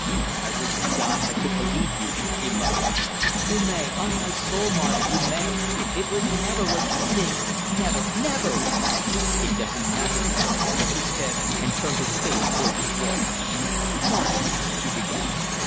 "I wish to God I could believe you!" he muttered. "You may on my soul, Marsh, you may! It was never what you think never never!" "It doesn't matter now," he said, and turned his face toward the wall. "Marsh " she began.